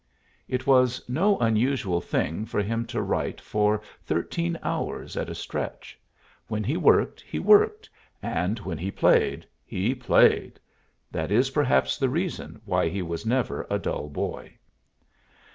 It was no unusual thing for him to write for thirteen hours at a stretch; when he worked he worked, and when he played he played that is perhaps the reason why he was never a dull boy.